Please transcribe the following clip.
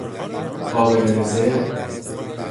قابل رزرو